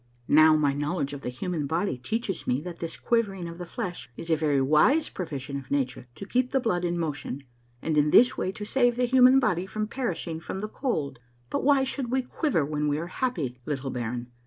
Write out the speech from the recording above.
Now, my knowledge of the human body teaches me that this quivering of the flesh is a very wise provision of nature to keep the blood in motion, and in this way to save the human body from perish ing from the cold ; but why should we quiver when we are happy, little baron